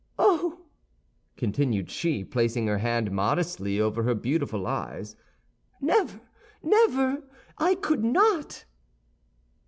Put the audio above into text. Oh," continued she, placing her hand modestly over her beautiful eyes, "never! never!—I could not!"